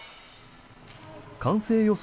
完成予想